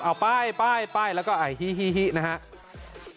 เอาป้ายป้ายป้ายแล้วก็อ่ายฮีฮีฮีนะครับ